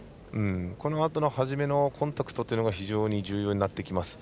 このあとの始めのコンタクトというのが非常に重要になってきます。